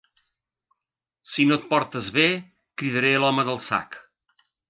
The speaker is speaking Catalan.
Si no et portes bé cridaré l'home del sac.